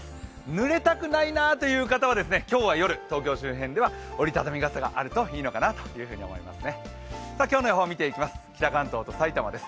ぬれたくないなという方は今日は夜、東京周辺では折り畳み傘があるといいのかなと思います。